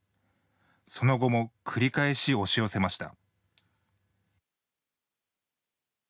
その後も繰り返し押し寄せました。